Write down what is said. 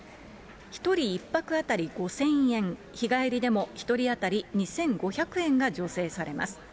１人１泊当たり５０００円、日帰りでも１人当たり２５００円が助成されます。